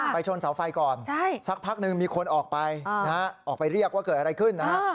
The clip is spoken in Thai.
ชนเสาไฟก่อนสักพักหนึ่งมีคนออกไปนะฮะออกไปเรียกว่าเกิดอะไรขึ้นนะฮะ